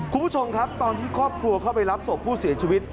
คุณผู้ชมครับตอนที่ครอบครัวเข้าไปรับศพผู้เสียชีวิต